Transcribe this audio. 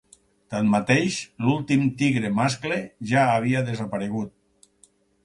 Tanmateix, l'últim tigre mascle ja havia desaparegut.